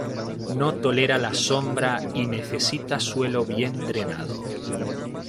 No tolera la sombra y necesita suelo bien drenado.